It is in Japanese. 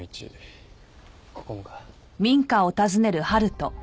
ここもか。